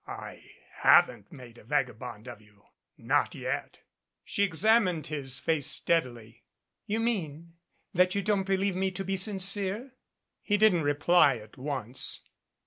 "I haven't made a vaga bond of you not yet." She examined his face steadily. "You mean that you don't believe me to be sincere?" He didn't reply at once.